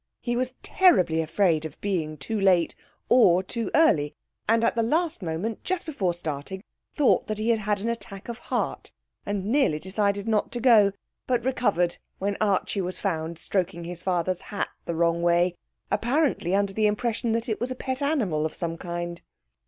He was terribly afraid of being too late or too early, and at the last moment, just before starting, thought that he had an Attack of Heart, and nearly decided not to go, but recovered when Archie was found stroking his father's hat the wrong way, apparently under the impression that it was a pet animal of some kind.